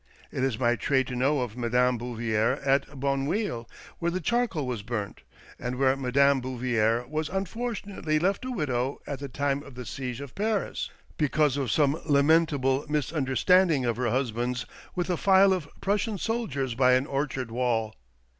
It is my trade to know of Madame Bouvier at Bonneuil, where the charcoal was burnt, and where Madame Bouvier was unfortunately left a widow at the time of the siege of Paris, because of some lamentable misunderstanding of her husband's with a file of Prussian soldiers by an orchard wall.